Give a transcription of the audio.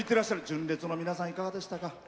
純烈の皆さん、いかがでしたか？